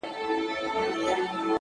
• څه د اضدادو مجموعه یې د بلا لوري ـ